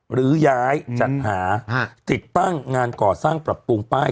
หรือย้ายจัดหาติดตั้งงานก่อสร้างปรับปรุงป้าย